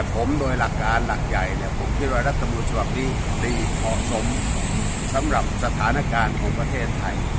ผมโดยหลักการหลักใหญ่เนี่ยผมคิดว่ารัฐมนุนฉบับนี้ดีเหมาะสมสำหรับสถานการณ์ของประเทศไทย